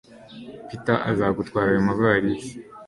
Peter azagutwara ayo mavalisi.